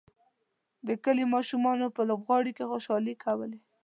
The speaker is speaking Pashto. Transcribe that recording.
د کلي ماشومانو په لوبغالي کې خوشحالۍ کولې.